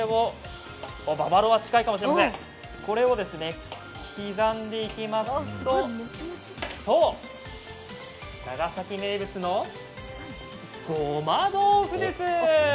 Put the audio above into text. これを刻んでいきますと、長崎名物のごまどうふです。